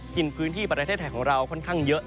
กินพื้นที่ประเทศไทยของเราค่อนข้างเยอะ